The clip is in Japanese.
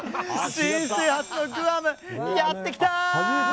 人生初のグアム、やってきた！